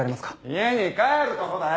家に帰るとこだよ！